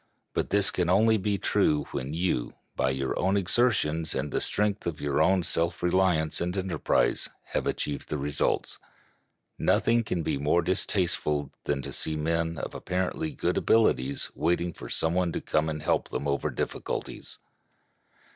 But this can only be true when you, by your own exertions and the strength of your own self reliance and enterprise, have achieved the results. Nothing can be more distasteful than to see men of apparently good abilities waiting for some one to come and help them over difficulties.